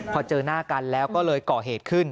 พอเจอหน้ากันแล้วก็เลยก่อเหตุขึ้น